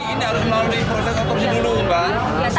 ini harus melalui proses otopsi dulu mbak